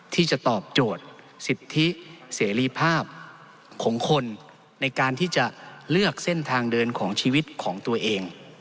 ที่จะตอบโจทย์สิทธิเสรีภาพของคนในการที่จะเลือกเส้นทางเดินของชีวิตของตัวเอง